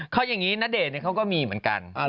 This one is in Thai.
เขาอย่างนี้ณเดชน์เขาก็มีเหมือนกัน